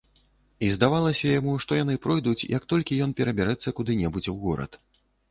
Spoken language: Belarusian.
І здавалася яму, што яны пройдуць, як толькі ён перабярэцца куды-небудзь у горад.